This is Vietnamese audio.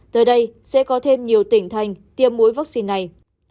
tới đây sẽ có thêm nhiều tỉnh thành tiêm mũi vaccine này